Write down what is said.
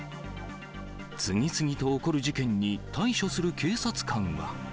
次々と起こる事件に対処する警察官は。